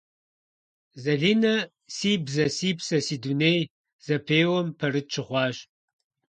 Залинэ «Си бзэ - си псэ, си дуней» зэпеуэм пэрыт щыхъуащ.